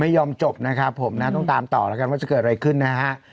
จบนะครับผมนะต้องตามต่อแล้วกันว่าจะเกิดอะไรขึ้นนะฮะ